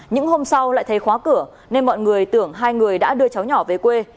những hôm sau lại thấy khóa cửa nên mọi người tưởng hai người đã đưa cháu nhỏ về quê